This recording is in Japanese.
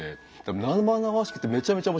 生々しくてめちゃめちゃ面白いんですよね